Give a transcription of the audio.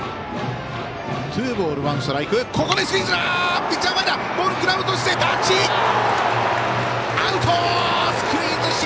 ここでスクイズ！